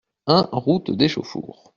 un route d'Échauffour